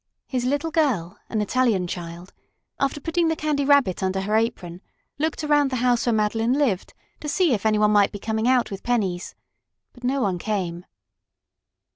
His little girl, an Italian child, after putting the Candy Rabbit under her apron, looked around the house where Madeline lived to see if any one might be coming out with pennies. But no one came.